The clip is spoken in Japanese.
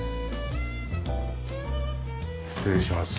失礼します。